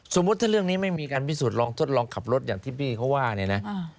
สมมุติถ้าเรื่องนี้ไม่มีการพิสูจนลองทดลองขับรถอย่างที่พี่เขาว่าเนี่ยนะ